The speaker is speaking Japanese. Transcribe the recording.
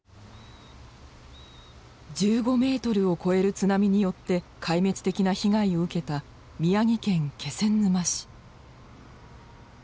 １５ｍを超える津波によって壊滅的な被害を受けた宮城県気仙沼市。